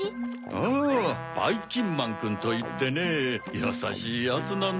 ああばいきんまんくんといってねやさしいやつなんだ。